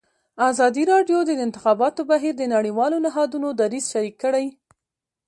ازادي راډیو د د انتخاباتو بهیر د نړیوالو نهادونو دریځ شریک کړی.